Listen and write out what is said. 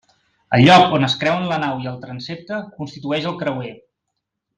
El lloc on es creuen la nau i el transsepte constitueix el creuer.